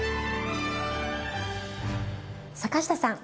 坂下さん。